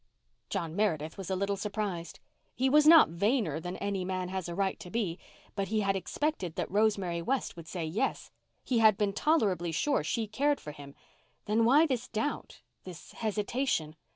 John Meredith was a little surprised. He was not vainer than any man has a right to be, but he had expected that Rosemary West would say yes. He had been tolerably sure she cared for him. Then why this doubt—this hesitation?